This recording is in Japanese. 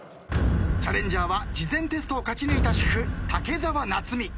チャレンジャーは事前テストを勝ち抜いた主婦武沢奈津美。